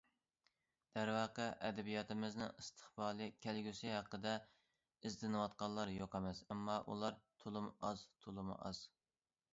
دەرۋەقە، ئەدەبىياتىمىزنىڭ ئىستىقبالى، كەلگۈسى ھەققىدە ئىزدىنىۋاتقانلار يوق ئەمەس، ئەمما ئۇلار تولىمۇ ئاز، تولىمۇ ئاز!